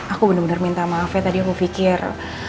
aku bener bener minta maaf ya tadi aku pikir